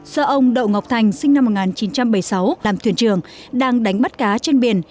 do ông đậu ngọc thành sinh năm một nghìn chín trăm bảy mươi sáu làm thuyền trưởng đang đánh bắt cá trên biển